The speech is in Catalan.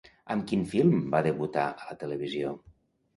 Amb quin film va debutar a la televisió?